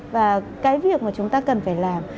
và cái việc mà chúng ta cần phải làm